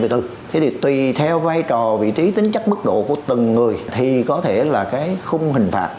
thế thì tùy theo vai trò vị trí tính chất mức độ của từng người thì có thể là cái khung hình phạt